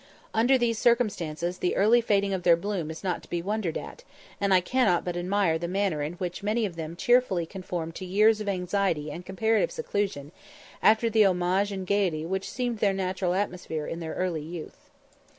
Under these circumstances, the early fading of their bloom is not to be wondered at, and I cannot but admire the manner in which many of them cheerfully conform to years of anxiety and comparative seclusion, after the homage and gaiety which seemed their natural atmosphere in their early youth.